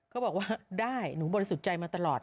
ก็บอกว่าได้หนูบริสุทธิ์ใจมาตลอด